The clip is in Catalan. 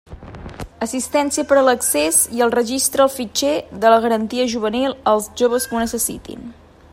Assistència per a l'accés i el registre al fitxer de la Garantia Juvenil als joves que ho necessitin.